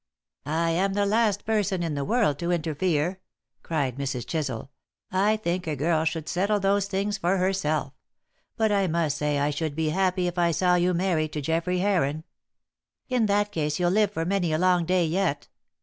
"I'm the last person in the world to interfere," cried Mrs. Chisel. "I think a girl should settle those things for herself. But I must say I should be happy if I saw you married to Geoffrey Heron." "In that case you'll live for many a long day yet."